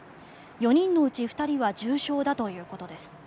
４人のうち２人は重傷だということです。